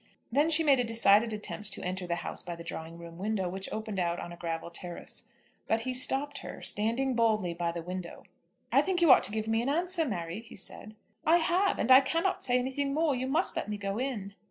Then she made a decided attempt to enter the house by the drawing room window, which opened out on a gravel terrace. But he stopped her, standing boldly by the window. "I think you ought to give me an answer, Mary," he said. "I have; and I cannot say anything more. You must let me go in."